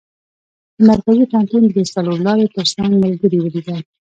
د مرکزي پوهنتون د څلور لارې تر څنګ ملګري ولیدل.